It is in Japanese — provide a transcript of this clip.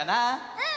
うん！